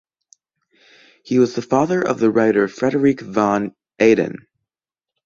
He was the father of the writer Frederik van Eeden.